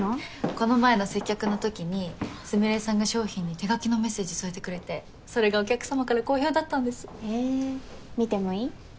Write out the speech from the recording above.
この前の接客のときにスミレさんが商品に手書きのメッセージ添えてくれてそれがお客様から好評だったんですへえ見てもいい？